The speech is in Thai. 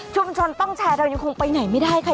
ชนต้องแชร์เรายังคงไปไหนไม่ได้ค่ะ